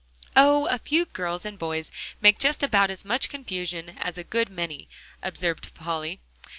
"Oh! a few girls and boys make just about as much confusion as a good many," observed Polly.